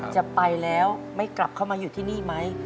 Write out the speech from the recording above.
จะไปแล้วไม่กลับเข้ามาอยู่ที่นี่ไหม